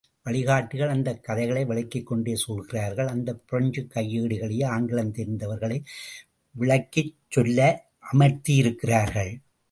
வழிகாட்டிகள் அந்தக் கதைகளை விளக்கிக்கொண்டே செல்கிறார்கள், அந்தப் பிரெஞ்சு கைடுகளையே ஆங்கிலம் தெரிந்தவர்களை விளக்கிச் சொல்ல அமர்த்தி இருக்கிறார்கள்.